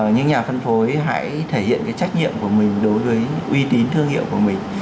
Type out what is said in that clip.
những nhà phân phối hãy thể hiện cái trách nhiệm của mình đối với uy tín thương hiệu của mình